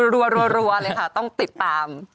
รัวเลยค่ะต้องติดตาม